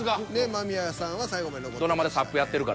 間宮さんは最後まで残ってましたね。